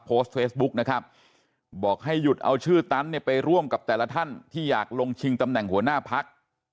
โพสต์เฟซบุ๊กนะครับบอกให้หยุดเอาชื่อตันเนี่ยไปร่วมกับแต่ละท่านที่อยากลงชิงตำแหน่งหัวหน้าพัก